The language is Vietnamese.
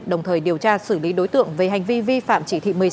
đồng thời điều tra xử lý đối tượng về hành vi vi phạm chỉ thị một mươi sáu